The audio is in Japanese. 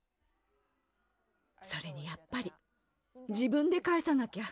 それにやっぱり自分でかえさなきゃ。